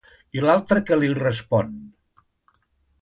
I l'altre què li respon?